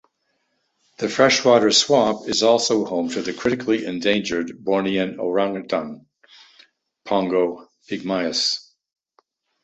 The freshwater swamp is also home to the critically endangered Bornean orangutan "(Pongo pygmaeus)".